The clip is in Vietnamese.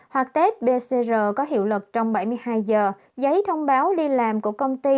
hoặc test pcr có hiệu lực trong bảy mươi hai giờ giấy thông báo đi làm của công ty